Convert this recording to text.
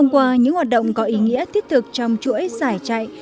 qua những hoạt động có ý nghĩa thiết thực trong chuỗi giải chạy